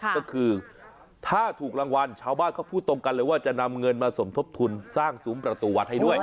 ก็คือถ้าถูกรางวัลชาวบ้านเขาพูดตรงกันเลยว่าจะนำเงินมาสมทบทุนสร้างซุ้มประตูวัดให้ด้วย